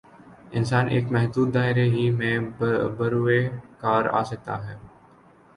انسان ایک محدود دائرے ہی میں بروئے کار آ سکتا ہے۔